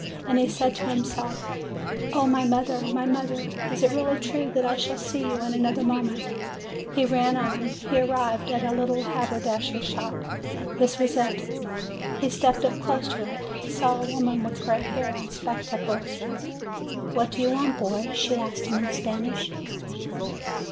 And he said to himself, "O my mother! my mother! Is it really true that I shall see you in another moment?" He ran on; he arrived at a little haberdasher's shop. This was it. He stepped up close to it. He saw a woman with gray hair and spectacles. "What do you want, boy?" she asked him in Spanish.